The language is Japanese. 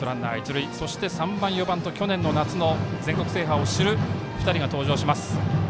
そして、３番、４番と去年の夏の全国制覇を知る２人が登場します。